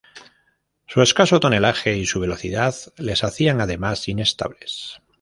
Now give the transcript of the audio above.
Su escaso tonelaje y su velocidad les hacían además inestables.